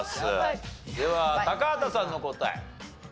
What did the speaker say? では高畑さんの答え。